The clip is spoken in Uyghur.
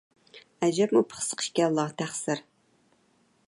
ئەجەبمۇ پىخسىق ئىكەنلا، تەقسىر.